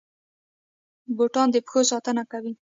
بوټان د پښو ساتنه کوي